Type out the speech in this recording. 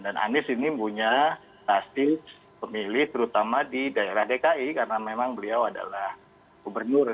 dan anies ini punya pasti pemilih terutama di daerah dki karena memang beliau adalah gubernur